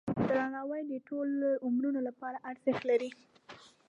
درناوی د ټولو عمرونو لپاره ارزښت لري.